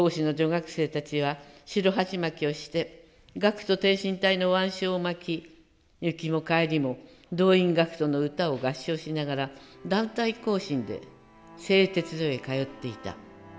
学生たちは白鉢巻をして『学徒挺身隊』の腕章を巻き行きも帰りも『動員学徒の歌』を合唱しながら団体行進で製鉄所へ通っていた。